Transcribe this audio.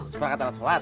seperangkat alat sholat